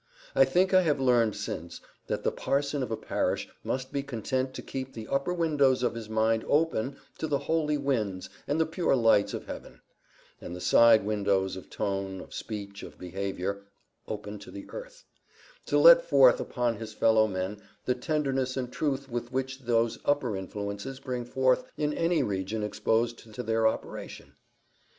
I think I have learned since, that the parson of a parish must be content to keep the upper windows of his mind open to the holy winds and the pure lights of heaven; and the side windows of tone, of speech, of behaviour open to the earth, to let forth upon his fellow men the tenderness and truth which those upper influences bring forth in any region exposed to their operation.